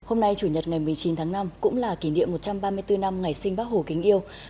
hôm nay chủ nhật ngày một mươi chín tháng năm cũng là kỷ niệm một trăm ba mươi bốn năm ngày sinh bác hồ kính yêu